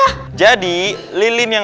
ada ular lainnya